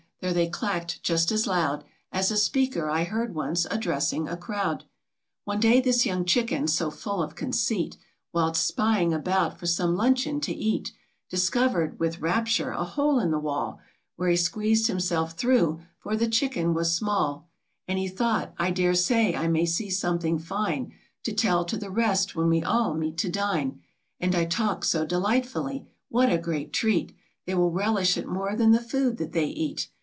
There they clacked just as loud As a speaker I heard once, addressing a crowd. One day this young Chicken, so full of conceit, Whilst spying about for some luncheon to eat, Discovered, with rapture, a hole in the wall, Where he squeezed himself through, for the Chicken was small ; And he thought, " I dare say I may see something fine To tell to the rest when we all meet to dine ; And I talk so delightfully ! What a great treat ; They will relish it more than the food that they eat."